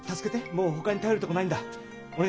もうほかに頼るとこないんだ。